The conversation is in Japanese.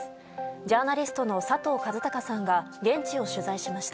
ジャーナリストの佐藤和孝さんが現地を取材しました。